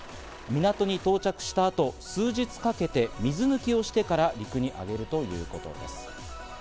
港に到着した後、数日かけて水抜きをしてから陸に揚げるということです。